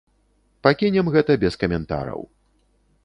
Пакінем гэта без каментараў.